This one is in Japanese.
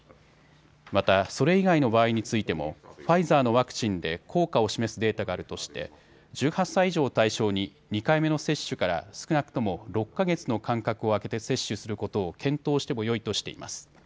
またそれ以外の場合についてもファイザーのワクチンで効果を示すデータがあるとして１８歳以上を対象に２回目の接種から少なくとも６か月の間隔を空けて接種することを検討してもよいとしています。